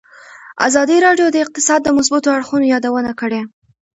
ازادي راډیو د اقتصاد د مثبتو اړخونو یادونه کړې.